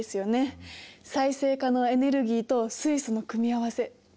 再生可能エネルギーと水素の組み合わせ可能性を感じます。